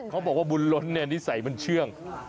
เขาบอกว่าบุญล้นนี่ใส่เป็นเชื่อง